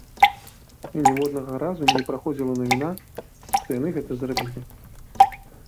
І ніводнага разу не праходзіла навіна, што яны гэта зрабілі.